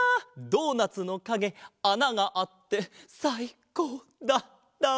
ドーナツのかげあながあってさいこうだった！